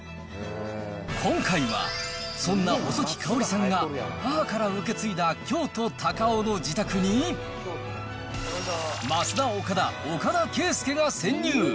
今回は、そんな細木かおりさんが、母から受け継いだ京都・高雄の自宅に、ますだおかだ・岡田圭右が潜入。